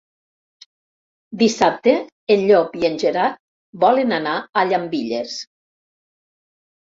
Dissabte en Llop i en Gerard volen anar a Llambilles.